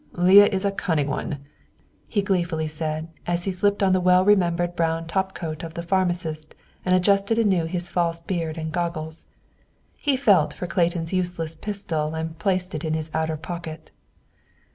"Leah is a cunning one," he gleefully said, as he slipped on the well remembered brown top coat of the "pharmacist," and adjusted anew his false beard and goggles. He felt for Clayton's useless pistol and placed it in his outside pocket.